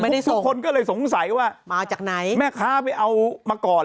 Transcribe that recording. ทุกคนก็เลยสงสัยว่ามาจากไหนแม่ค้าไปเอามาก่อน